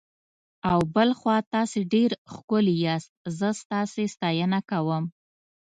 او بل خوا تاسي ډېر ښکلي یاست، زه ستاسي ستاینه کوم.